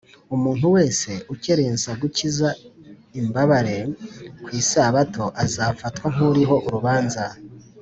Umuntu wese ukerensa gukiza imbabare ku Isabato azafatwa nk’uriho urubanza